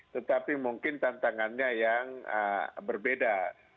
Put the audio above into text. tetapi mungkin tantangannya yang berbeda